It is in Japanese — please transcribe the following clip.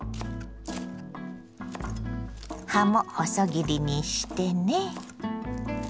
葉も細切りにしてね。